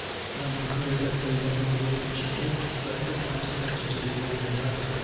A number declared that they never would submit, let the consequences be what they might.